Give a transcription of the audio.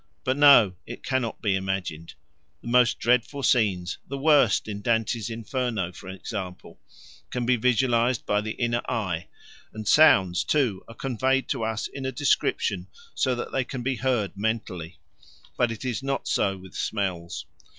But no, it cannot be imagined. The most dreadful scenes, the worst in Dante's Inferno, for example, can be visualized by the inner eye; and sounds, too, are conveyed to us in a description so that they can be heard mentally; but it is not so with smells.